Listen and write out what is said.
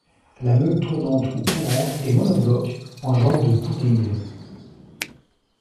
La meule tournante ou courante est monobloc, en genre de Poudingue.